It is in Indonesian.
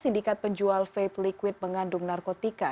sindikat penjual vape liquid mengandung narkotika